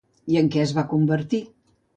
I en què es va convertir?